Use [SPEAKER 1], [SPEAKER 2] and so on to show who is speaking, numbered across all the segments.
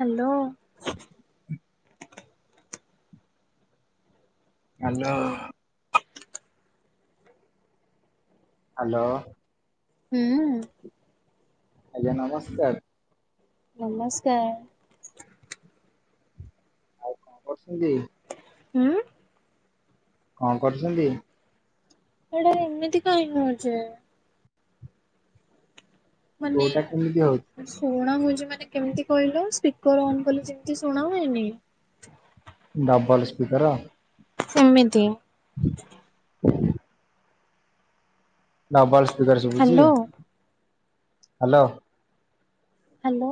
[SPEAKER 1] Hello.
[SPEAKER 2] [inaudible] Hello. Hello.
[SPEAKER 1] ହୁଁ
[SPEAKER 2] ଆଜ୍ଞା ନମସ୍କାର।
[SPEAKER 1] ନମସ୍କାର।
[SPEAKER 2] ଆଉ କଣ କରୁଛନ୍ତି?
[SPEAKER 1] ହୁଁ।
[SPEAKER 2] କଣ କରୁଛନ୍ତି?
[SPEAKER 1] ସେଇଟା ଏମିତି କହିଁ ହଉଛି? ମାନେ
[SPEAKER 2] କୋଉଟା କେମିତି ହଉଛି
[SPEAKER 1] ଶୁଣା ହଉଛି ମାନେ କେମିତି କହିଲୁ, ସ୍ପିକର ଅନ୍ କଲେ ଯେମିତି ଶୁଣା ହୁଏନି?
[SPEAKER 2] ଡାବଲ ସ୍ପୀକରା।
[SPEAKER 1] ସେମିତି।
[SPEAKER 2] ଡବଲ ସ୍ପିକର ଶୁଭୁଛି?
[SPEAKER 1] ହ୍ୟାଲୋ।
[SPEAKER 2] ହାଲୋ।
[SPEAKER 1] ହାଲୋ।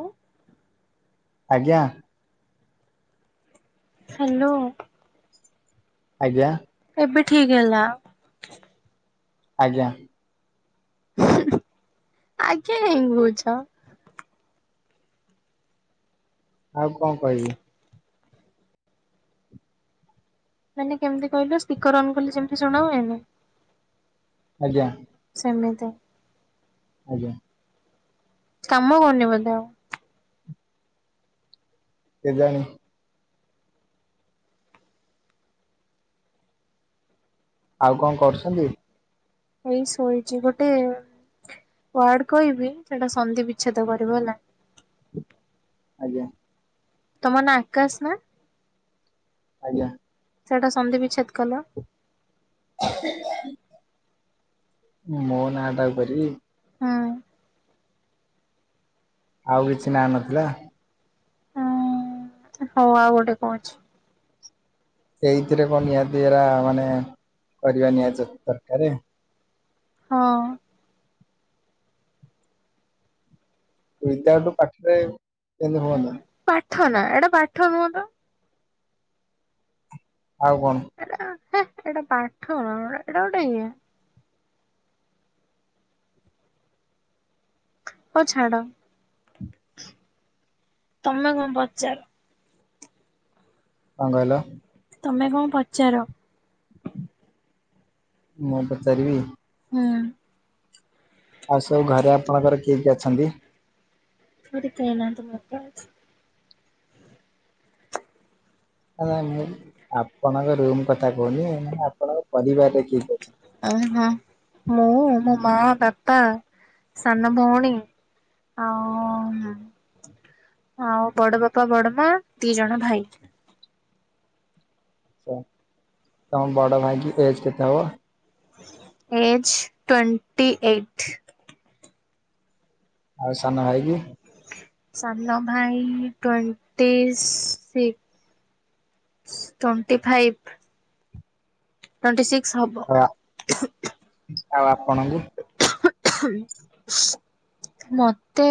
[SPEAKER 2] ଆଜ୍ଞା।
[SPEAKER 1] ହାଲୋ।
[SPEAKER 2] ଆଜ୍ଞା।
[SPEAKER 1] ଏବେ ଠିକ୍ ହେଲା।
[SPEAKER 2] ଆଜ୍ଞା।
[SPEAKER 1] ଆଜ୍ଞା କାଇଁ କହୁଛ?
[SPEAKER 2] ଆଉ କଣ କହିବି?
[SPEAKER 1] ମାନେ କେମିତି କହିଲେ ସ୍ପିକର ଅନ୍ କଲେ ଯେମିତି ଶୁଣା ହୁଏନି
[SPEAKER 2] ଆଜ୍ଞା।
[SPEAKER 1] ସେମିତି।
[SPEAKER 2] ଆଜ୍ଞା।
[SPEAKER 1] କାମ କରୁନି ବୋଧେ ଆଉ।
[SPEAKER 2] କେ ଜାଣି। ଆଉ କଣ କରୁଛନ୍ତି?
[SPEAKER 1] ଏଇ ଶୋଇଛି, ଗୋଟେ ୱାର୍ଡ କହିବି ସେଟା ସନ୍ଧି ବିଚ୍ଛେଦ କରିବ ହେଲା।
[SPEAKER 2] ଆଜ୍ଞା।
[SPEAKER 1] ତୁମ ନାଁ ଆକାଶ ନା?
[SPEAKER 2] ଆଜ୍ଞା।
[SPEAKER 1] ସେଇଟା ସନ୍ଧି ବିଛେଦ କଲ।
[SPEAKER 2] ମୋ ନାଁଟାକୁ କରିବି?
[SPEAKER 1] ହୁଁ।
[SPEAKER 2] ଆଉ କିଛି ନା ନଥିଲା?
[SPEAKER 1] ଉଁ ହଉ ଆଉ ଗୋଟେ କହୁଛି।
[SPEAKER 2] ସେଇଥିରେ କଣ ନିହାତି ଏରା ମାନେ କରିବା ନିହାତି କରିବା ଦରକାର?
[SPEAKER 1] ହଁ।
[SPEAKER 2] ବିଦ୍ୟାଳୁ ପାଠରେ କେମତି ହୁଅନ୍ତା।
[SPEAKER 1] ଠ ନା ଏଟା ପାଠ ନୁହଁ ତ?
[SPEAKER 2] ଆଉ କଣ?
[SPEAKER 1] ଏଟା ହେ ଏଟା ପାଠ ନା ଏଟା ଗୋଟେ ଇଏ। ହଉ ଛାଡ। ତମେ କଣ କରୁଚ?
[SPEAKER 2] କଣ କହିଲ?
[SPEAKER 1] ତମେ କଣ ପଚାର?
[SPEAKER 2] ମୁଁ ପଚାରିବି?
[SPEAKER 1] ହୁଁ।
[SPEAKER 2] ଆଉ ସବୁ ଘରେ ଆପଣଙ୍କର କିଏ କିଏ ଅଛନ୍ତି?
[SPEAKER 1] ଘରେ କେହିନାହାନ୍ତି ମୁଁ ଏକାଅଛି।
[SPEAKER 2] ନା ନା ମୁଁ ଆପଣଙ୍କ ରୁମ୍ କଥା କହୁନି ମାନେ ଆପଣଙ୍କ ପରିବାରରେ କିଏ କିଏ ଅଛନ୍ତି?
[SPEAKER 1] ଓ ହୋ ମୁଁ ମୋ ମା ବାପା ସାନ ଭଉଣୀ ଆଉ ହମ୍ ଆଉ ବଡ ବାପା ବଡ ମା ଦି ଜଣ ଭାଇ।
[SPEAKER 2] ଆଛା ତମ ବଡ ଭାଇ କି ଏଜ କେତେ ହବ?
[SPEAKER 1] Age twenty eight.
[SPEAKER 2] ଆଉ ସାନ ଭାଇକି?
[SPEAKER 1] ସାନା ଭାଇ twenty six. Twenty five. Twenty six ହେବ।
[SPEAKER 2] ଆଉ ଆଉ ଆପଣଙ୍କୁ
[SPEAKER 1] ମତେ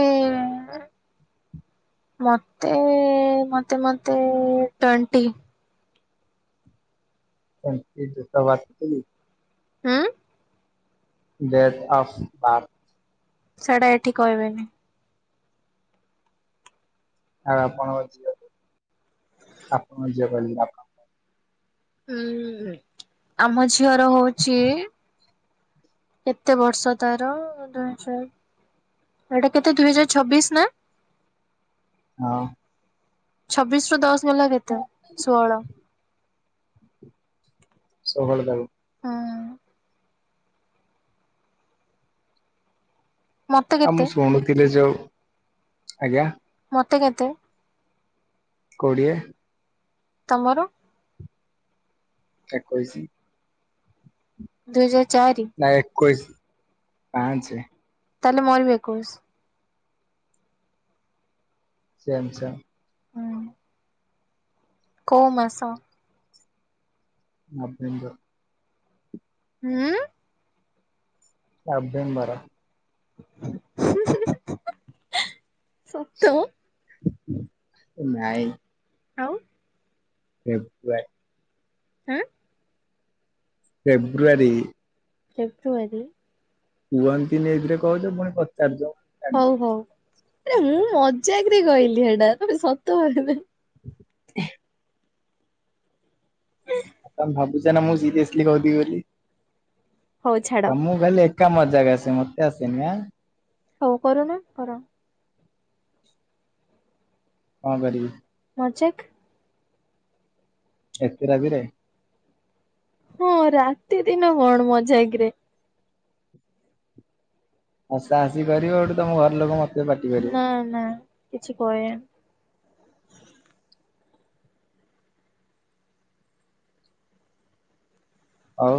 [SPEAKER 1] ମତେ ମତେ ମତେ twenty.
[SPEAKER 2] Twenty date of birth କେତେ କି?
[SPEAKER 1] ହଁ।
[SPEAKER 2] Date of birth?
[SPEAKER 1] ସେଇଟା ଏଠି କହିବିନି।
[SPEAKER 2] ଆଉ ଆପଣଙ୍କ ଝିଅ ଆପଣଙ୍କ ଝିଅ କହିଲି ଆପଣ
[SPEAKER 1] ହୁଁ ଆମ ଝିଅର ହଉଛି କେତେ ବର୍ଷ ତାର? ଏଇଟା କେତେ ଦୁଇ ହଜାର ଛବିଶ ନା?
[SPEAKER 2] ହଁ।
[SPEAKER 1] ଛବିଶ ରୁ ଦଶ ଗଲା କେତେ ଷୋହଳ।
[SPEAKER 2] ଷୋହଳ ତାକୁ।
[SPEAKER 1] ହଁ। ମତେ
[SPEAKER 2] ଆଉ
[SPEAKER 1] କେତେ
[SPEAKER 2] ମୁଁ ଶୁଣୁଥିଲି ଯୋଉ ଆଜ୍ଞା
[SPEAKER 1] ମତେ କେତେ?
[SPEAKER 2] କୋଡିଏ।
[SPEAKER 1] ତମର?
[SPEAKER 2] ଏକୋଇଶି।
[SPEAKER 1] ଦୁଇହଜାର ଚାରି?
[SPEAKER 2] ନାଇ ଏକୋଇସି ପାଞ୍ଚ।
[SPEAKER 1] ତାହେଲେ ମୋର ବି ଏକୋଇସି।
[SPEAKER 2] Same same.
[SPEAKER 1] ହୁଁ କୋଉ ମାସ?
[SPEAKER 2] ନଭେମ୍ବର।
[SPEAKER 1] ହୁଁ।
[SPEAKER 2] ନଭେମ୍ବର।
[SPEAKER 1] ସତ?
[SPEAKER 2] ନାଇଁ।
[SPEAKER 1] ଆଉ
[SPEAKER 2] ହ ବା [inaudible]
[SPEAKER 1] ହଁ
[SPEAKER 2] ଫେବୃଆରୀ
[SPEAKER 1] ଫେବୃଆରୀ
[SPEAKER 2] କୁହନ୍ତିନି ଏଥିରେ କହୁଛ ପୁଣି ପଚାରୁଛ
[SPEAKER 1] ହଉ ହଉ ଆରେ ମୁଁ ମଜାକରେ କହିଲି ଏଇଟା ତମେ ସତ ଭାବିଲ
[SPEAKER 2] ହ [inaudible]
[SPEAKER 1] ହୁଁ
[SPEAKER 2] ତମେ ଭାବୁଛ ନା ମୁଁ ସିରିି [unintelligible] ଆସି କହୁଥିବି ବୋଲି
[SPEAKER 1] ହଉ ଛାଡ
[SPEAKER 2] ତମକୁ ଖାଲି ଏକା ମଜାକ ଆସେ ମତେ ଆସେନି ଆଁ
[SPEAKER 1] ହଉ କରୁନ କର
[SPEAKER 2] କଁ କରିବି
[SPEAKER 1] ମଜାକ୍
[SPEAKER 2] ଏତେ ରାତିରେ
[SPEAKER 1] ହଁ ରାତି ଦିନ କଣ ମଜାକରେ
[SPEAKER 2] ହସା ହସି କରିବ ସେଠୁ ତମ ଘର ଲୋକ ମତେ ପାଟି କରିବେ
[SPEAKER 1] ନା ନା କିଛି କହିବେନି
[SPEAKER 2] ଆଉ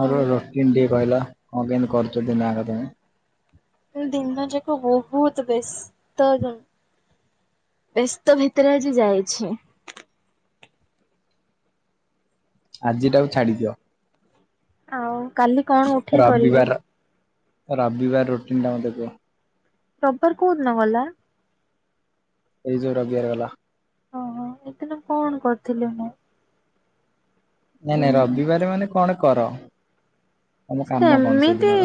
[SPEAKER 2] ଆର
[SPEAKER 1] ଆଉ
[SPEAKER 2] ରୁଟିନ େ [unintelligible] କହିଲା କଣ କେମତି କରୁଛ ଦିନକ ତମେ
[SPEAKER 1] ଦିନ ଯାକ ବହୁତ ବ୍ୟସ୍ତ ଜ ବ୍ୟସ୍ତ ଭିତରେ ଆଜି ଯାଇଛି
[SPEAKER 2] ଆଜିଟାକୁ ଛାଡିଦିଅ
[SPEAKER 1] ଆଉ କାଲି କଣ ଉଠିକି କରିବି
[SPEAKER 2] ରବିବାର ରବିବାର ରୁଟିନ୍ ଟା ମତେ କୁହ
[SPEAKER 1] ରବିବାର କୋଉ ଦିନ ଗଲା?
[SPEAKER 2] ଏଇ ଯୋଉ ରବିବାର ଗଲା
[SPEAKER 1] ଓହୋ ସେଦିନ କଣ କରିଥିଲି ମୁଁ
[SPEAKER 2] ନାଇଁ ନାଇଁ
[SPEAKER 1] ହୁଁ
[SPEAKER 2] ରବିବାର ମାନେ କଣ କର? ତମ କାମ କଣ
[SPEAKER 1] ସେମିତି
[SPEAKER 2] ସେଇଦିନର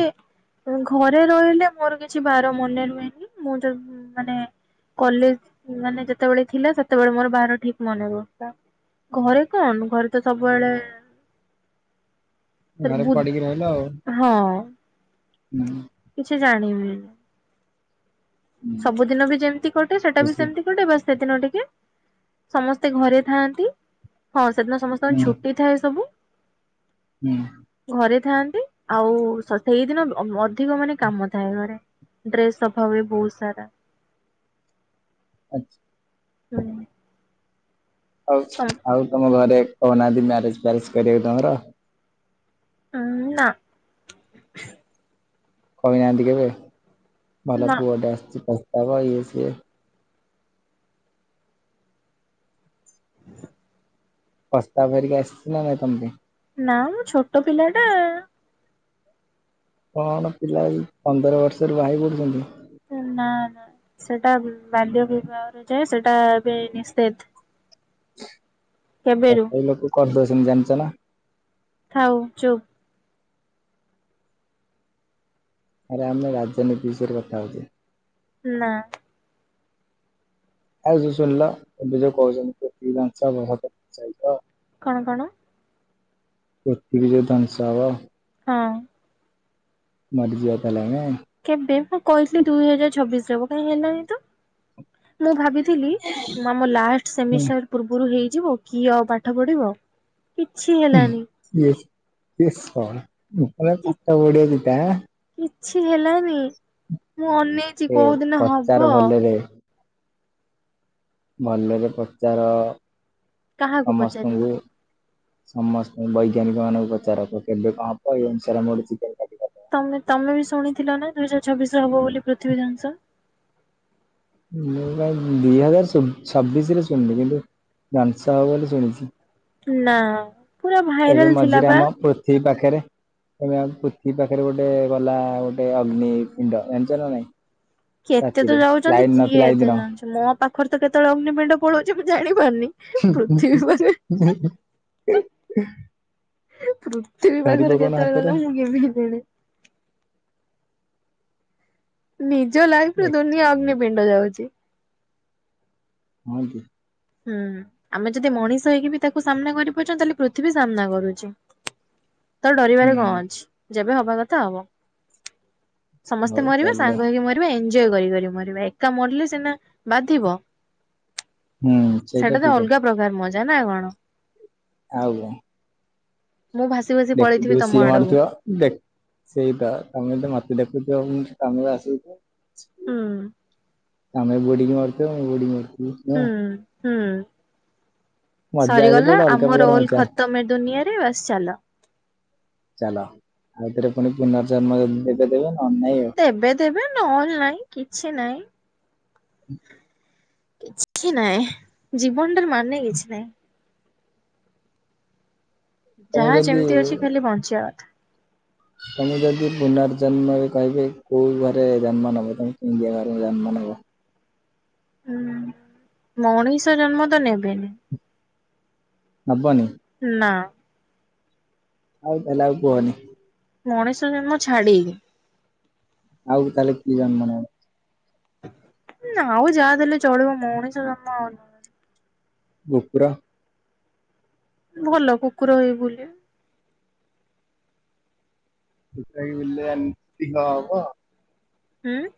[SPEAKER 1] ଘରେ ରହିଲେ ମୋର କିଛି ବାର ମନେ ରୁହେନି ମୁଁ ତ ମାନେ କଲେଜ ମାନେ ଯେତେବେଳେ ଥିଲା ସେତେବେଳେ ମୋର ବାର ଠିକ୍ ମନେ ରହୁଥିଲା ଘରେ କଣ [unintelligible] ଘରେ ତ ସବୁବେଳେ
[SPEAKER 2] ଘରେ
[SPEAKER 1] ବୁ
[SPEAKER 2] ପଡିକି ରହିଲ ଆଉ
[SPEAKER 1] ହଁ
[SPEAKER 2] ହୁଁ
[SPEAKER 1] କିଛି ଜାଣିବିନି
[SPEAKER 2] ହୁଁ
[SPEAKER 1] ସବୁଦିନ ବି ଯେମିତି କଟେ ସେଟା ବି
[SPEAKER 2] ଖୁସି
[SPEAKER 1] ସେମିତି କଟେ ବା ସେଦିନ ଟିକେ ସମସ୍ତେ ଘରେ ଥାନ୍ତି ହଁ ସେଦିନ ସମସ୍ତଙ୍କ
[SPEAKER 2] ହୁଁ
[SPEAKER 1] ଛୁଟି ଥାଏ ସବୁ
[SPEAKER 2] ହୁଁ
[SPEAKER 1] ଘରେ ଥାଆନ୍ତି ଆଉ ସେଇଦିନ ଅଧିକ ମାନେ କାମ ଥାଏ ଘରେ ଡ୍ରେସ ସଫା ହୁଏ ବହୁତ ସାରା
[SPEAKER 2] ଆଛା
[SPEAKER 1] ହୁଁ
[SPEAKER 2] ହଉ ଆଉ ତମ ଘରେ କହୁନାହାଁନ୍ତି ମ୍ୟାରେଜ ଫ୍ୟାରେଜ କରିବାକୁ ତମର?
[SPEAKER 1] ଉଁ ନାଁ।
[SPEAKER 2] କହିନାହାନ୍ତି କେବେ ଭଲ
[SPEAKER 1] ନା
[SPEAKER 2] ପୁଅଟେ ଆସିଛି ପସ୍ତାବ ଇଏ ସିଏ। ପ୍ରସ୍ତାବ ଧରିକି ଆସିଛି ନା ନାଇଁ ତମପେଇଁ?
[SPEAKER 1] ନା ମୁଁ ଛୋଟ ପିଲା ଟା।
[SPEAKER 2] କଣ ପିଲା ଏଇ ପନ୍ଦର ବର୍ଷରୁ ବାହାହେଇ ପଡୁଛନ୍ତି।
[SPEAKER 1] ନା ନା ସେଟା ବାଲ୍ୟ ବିବାହରେ ଯାଏ ସେଟା ଏବେ ନିଶେଧ।
[SPEAKER 2] ତଥାପି ଲୋକ କରଦଉଛନ୍ତି ଜାଣିଛ ନା?
[SPEAKER 1] ଥାଉ ଚୁପ୍।
[SPEAKER 2] ଆରେ ଆମେ ରାଜନୀତି ବିଷୟରେ କଥା ହଉଛେ।
[SPEAKER 1] ନା।
[SPEAKER 2] ଆଉ ଶୁଣିଲ ଏବେ ଯୋଉ କହୁଛନ୍ତି ଜାଣିଛ [inaudible]
[SPEAKER 1] କଣ କଣ?
[SPEAKER 2] ପୃଥିବୀ ଜଉ ଧ୍ବଂସ ହବ।
[SPEAKER 1] ହଁ।
[SPEAKER 2] ମରିଯିବା ତାହାଲେ ଆମେ?
[SPEAKER 1] କେବେ ମୁଁ କହିଥିଲି ଦୁଇ ହଜାର ଛବିଶରେହବ କାଇଁ ହେଲାନି ତ। ମୁଁ ଭାବିଥିଲି ଆମ ଲାଷ୍ଟ
[SPEAKER 2] ହୁଁ ହୁଁ।
[SPEAKER 1] ସେମିଷ୍ଟାର ପୂର୍ବରୁ ହେଇଯିବ କି ଆଉ ପାଠ ପଢିବ କିଛି ହେଲାନି।
[SPEAKER 2] ଇଏ ଇଏ ଶଳା ଏଭଳିଆ
[SPEAKER 1] କି
[SPEAKER 2] ପାଠ ପଢ଼ିବା ଚିନ୍ତା ଆଁ।
[SPEAKER 1] କିଛି ହେଲାନି। ମୁଁ ଅନେଇଛି
[SPEAKER 2] ଏ
[SPEAKER 1] କୋଉ ଦିନ
[SPEAKER 2] ପ୍ରଚାର
[SPEAKER 1] ହବ।
[SPEAKER 2] ଭଲରେ ଭଲରେ ପଚାର
[SPEAKER 1] କାହାକୁ ପଚାରିବି।
[SPEAKER 2] ସମସ୍ତଙ୍କୁ। ସମସ୍ତେ ବୈଜ୍ଞାନିକ ମାନଙ୍କୁ ପଚାର କୁହ କେବେ କଣ ହବ ଏଇ ଅନୁସାରେ ମୋ ଚିକେନ କାଟି କରିଦବା
[SPEAKER 1] ତମେ ତମେ ବି ଶୁଣିଥିଲ ନା ଦୁଇ ହଜାର ଛବିଶରେ ହବ ବୋଲି ପୃଥିବୀ ଧ୍ୱଂସ।
[SPEAKER 2] ମୁଁ କାଇ ଦିଇ ହଜାର ଛବିଶ ରେ ଶୁଣିଲି କିନ୍ତୁ ଧ୍ୱଂସ ହବ ବୋଲି ଶୁଣିଛି।
[SPEAKER 1] ନା ପୁରା ଭାଇରାଲ ଥିଲା ପା।
[SPEAKER 2] ସେଇ ପାଖେରେ। ତମେ ଆଉ ପୃଥିବୀ ପାଖରେ ଗୋଟେ ଗଲା ଗୋଟେ ଅଗ୍ନି ପିଣ୍ଡ ଜାଣିଛ ନା ନାଇଁ?
[SPEAKER 1] କି କେତେ ତ
[SPEAKER 2] ରାତିରେ
[SPEAKER 1] ଯାଉଛନ୍ତି
[SPEAKER 2] ଲାଇନ
[SPEAKER 1] କିଏ
[SPEAKER 2] ନଥିଲା ଏଇ
[SPEAKER 1] ଏତେ
[SPEAKER 2] ଦିନ
[SPEAKER 1] ଯାଣୁଚି ମୋ ପାଖରେ ତ କେତେବେଳେ ଅଗ୍ନିପିଣ୍ଡ ପଳଉଛି ମୁଁ ଜାଣିପାରୁନି।
[SPEAKER 2] ହୁଁ ହୁଁ
[SPEAKER 1] ପୃଥିବୀ ପାଖରେ
[SPEAKER 2] ହୁଁ ହୁଁଁ।
[SPEAKER 1] ପୃଥିବୀ
[SPEAKER 2] ଧରି
[SPEAKER 1] ପାଖରୁ
[SPEAKER 2] ପକଉନ
[SPEAKER 1] କେତେବେଳେ
[SPEAKER 2] ହାତରେ
[SPEAKER 1] ଗଲା ମୁଁ କେମିତି ଜାଣିବି? ନିଜ ଲାଇଫରେ
[SPEAKER 2] ଏ
[SPEAKER 1] ଦୁନିଆ ଅଗ୍ନିପିଣ୍ଡ ଯାଉଛି।
[SPEAKER 2] ହଁ କି।
[SPEAKER 1] ହୁଁ ଆମେ ଯଦି ମଣିଷ ହେଇକି ବି ତାକୁ ସାମ୍ନା କରି ପାରୁଛନ୍ତି, ତାହେଲେ ପୃଥିବୀ ସାମ୍ନା କରୁଛି। ତ
[SPEAKER 2] ହୁଁ
[SPEAKER 1] ଡରିବାରେ କଣ ଅଛି ଯେବେ ହବା କଥା ହବ ସମସ୍ତେ।
[SPEAKER 2] ହଉ
[SPEAKER 1] ମରିବା
[SPEAKER 2] ଚାଲ
[SPEAKER 1] ସାଙ୍ଗ ହେଇକି ମ ନୁହେଁ ଏଞ୍ଜୋଅୟ୍ କରି କରି ମରିବା ଏକା ମରିଲେ ସିନା ବାଧିବ।
[SPEAKER 2] ହୁଁ।
[SPEAKER 1] ସେଇଟା ତ
[SPEAKER 2] ଠିକ କଥା
[SPEAKER 1] ଅଲଗା ପ୍ରକାର ମଜା ନା କଣ।
[SPEAKER 2] ଆଉ କଣ?
[SPEAKER 1] ମୁଁ ଭାସି ଭାସି ପଳେଇଥିବି
[SPEAKER 2] ଦେଖୁଥିବୁ
[SPEAKER 1] ତମ
[SPEAKER 2] ସିଏ
[SPEAKER 1] ଆଡକୁ।
[SPEAKER 2] ମରିଥିବ। ଦେଖ ସେଇତ ତମେ ମତେ ଦେଖୁଥିବ ମୁଁ ତମକୁ ଆସିବି। [inaudible]
[SPEAKER 1] ହୁଁ।
[SPEAKER 2] ତମେ ବୁଡିକି ମରୁଥିବ ମୁ ବୁଡିକି ମରୁଥିବି ନୁହଁ।
[SPEAKER 1] ହୁଁ ହୁଁ
[SPEAKER 2] ମଜା ସେଇଟା
[SPEAKER 1] ସରିଗଲା
[SPEAKER 2] ଗୋଟେ ଅଲଗା
[SPEAKER 1] ଆମ
[SPEAKER 2] ପ୍ରକାର
[SPEAKER 1] ରୋଲ
[SPEAKER 2] ମଜା
[SPEAKER 1] ଖତମ ଏ ଦୁନିଆରେ ବାସ ଚାଲ।
[SPEAKER 2] ଚାଲ ଆଉଥରେ ପୁଣି ପୁନର୍ଜନ୍ମ ଯଦି ଦେବେ ଦେବେ ନହେଲେ ନାଇଁ ଆଉ।
[SPEAKER 1] ଦେବେ ଦେବେ ନହଲେ ନାଇଁ କିଛି ନାଇଁ। କିଛି ନାଇଁ ଜୀବନଟାର ମାନେ କିଛି ନାଇଁ।
[SPEAKER 2] ତ ମୁଁ
[SPEAKER 1] ଯାହା
[SPEAKER 2] ଯଦି
[SPEAKER 1] ଯେମିତି ଅଛି ଖାଲି ବଞ୍ଚିବା କଥା
[SPEAKER 2] ତମେ ଯଦି ପୁନର୍ଜନ୍ମରେ କହିବେ କୋଉ ଘରେ ଜନ୍ମ ହବ ତମେ ଡିଆ ଘରେ ଜନ୍ମ ନବ।
[SPEAKER 1] ହୁଁ ମଣିଷ ଜନ୍ମ ତ ନେବେନି।
[SPEAKER 2] ହବନି।
[SPEAKER 1] ନା।
[SPEAKER 2] ଆଉ ତାହେଲେ ଆଉ କୁହନି।
[SPEAKER 1] ମଣିଷ ଜନ୍ମ ଛାଡିକି।
[SPEAKER 2] ଆଉ ତାହେଲେ କି ଜନ୍ମ ନବ।
[SPEAKER 1] ଆଉ ଯାହା ଦେଲେ ଚଳିବ ମଣିଷ ଜନ୍ମ ଆଉ
[SPEAKER 2] କୁକୁର।
[SPEAKER 1] ଭଲ କୁକୁର ହେଇ ବୁଲିଅ।
[SPEAKER 2] ସେଇ ବିଲୁଆ ତି କଣ ହବ।
[SPEAKER 1] ହୁଁ।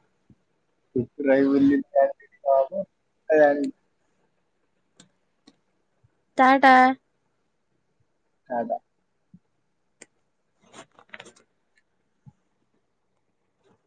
[SPEAKER 2] କୁକୁର ହେଇ ବୁଲିକି [unintelligible]
[SPEAKER 1] ତା ଟା।
[SPEAKER 2] ଟା ଟା।